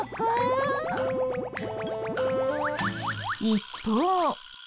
一方。